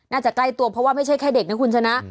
น่าจะใกล้ตัวเพราะว่าไม่ใช่แค่เด็กนะคุณชนะ